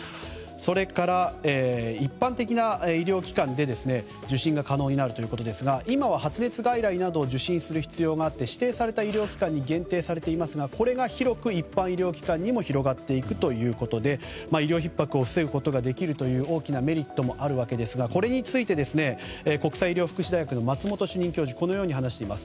それから、一般的な医療機関で受診が可能になるということですが今は発熱外来などを受診する必要があって指定された医療機関に限定されていますがこれが広く一般医療機関にも広がっていくということで医療ひっ迫を防ぐことができるという大きなメリットもあるわけですがこれについて国際医療福祉大学の松本哲哉主任教授はこのように話しています。